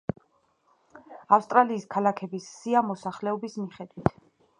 ავსტრალიის ქალაქების სია მოსახლეობის მიხედვით.